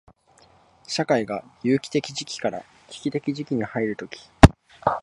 社会が有機的時期から危機的時期に入るとき、